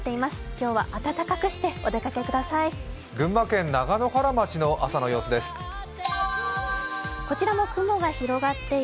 今日は暖かくしてお出かけください。